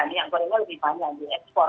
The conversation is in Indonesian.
minyak gorengnya lebih banyak di ekspor